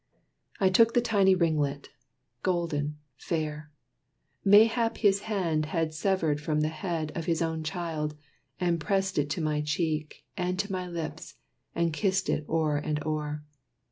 I took the tiny ringlet, golden fair, Mayhap his hand had severed from the head Of his own child, and pressed it to my cheek And to my lips, and kissed it o'er and o'er.